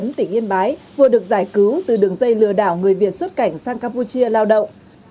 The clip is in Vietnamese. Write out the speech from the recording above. công an tỉnh yên bái vừa được giải cứu từ đường dây lừa đảo người việt xuất cảnh sang campuchia lao động